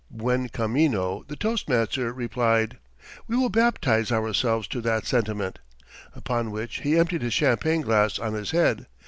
Buencamino, the toastmaster, replied, 'We will baptize ourselves to that sentiment,' upon which he emptied his champagne glass on his head.